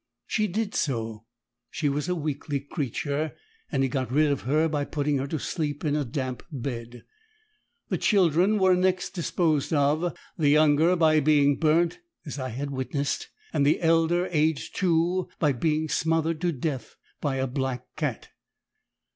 She did so she was a weakly creature and he got rid of her by putting her to sleep in a damp bed. The children were next disposed of, the younger by being burnt (as I had witnessed) and the elder, aged two, by being smothered to death by a black cat.